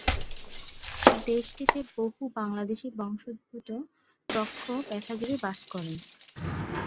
দেশটিতে বহু বাংলাদেশি বংশোদ্ভূত দক্ষ পেশাজীবী বাস করেন।